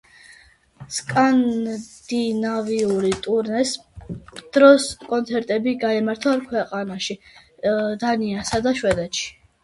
სკანდინავიური ტურნეს დროს კონცერტები გაიმართა ორ ქვეყანაში დანიასა და შვედეთში.